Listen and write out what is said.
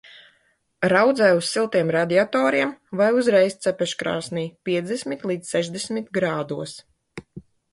Raudzē uz siltiem radiatoriem vai uzreiz cepeškrāsnī piecdesmit līdz sešdesmit grādos.